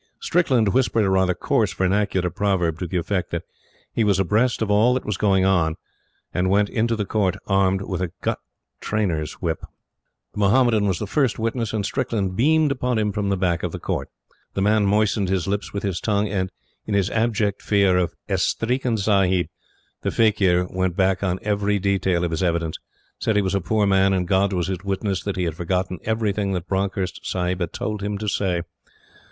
Strickland whispered a rather coarse vernacular proverb to the effect that he was abreast of all that was going on, and went into the Court armed with a gut trainer's whip. The Mohammedan was the first witness and Strickland beamed upon him from the back of the Court. The man moistened his lips with his tongue and, in his abject fear of "Estreeken Sahib" the faquir, went back on every detail of his evidence said he was a poor man and God was his witness that he had forgotten every thing that Bronckhorst Sahib had told him to say.